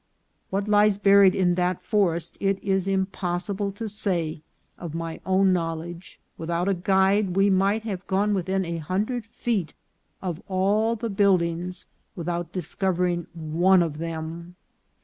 What lies buried in that forest it is impossible to say of my own knowledge ; without a guide, we might have gone within a hundred feet of all the buildings without dis covering one of them.